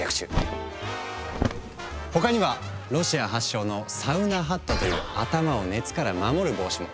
他にはロシア発祥の「サウナハット」という頭を熱から守る帽子も。